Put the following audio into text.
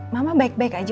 mama baik baik aja